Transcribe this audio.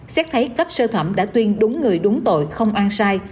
xét thấy cấp sơ thẩm đã tuyên đúng người đúng tội không ăn sai